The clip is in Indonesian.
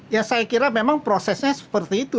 ya saya kira memang prosesnya seperti itu